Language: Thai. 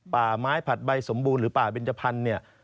ป่าไม้ผัดใบสมบูรณ์หรือป่าเบนจพันธุ์เนี่ย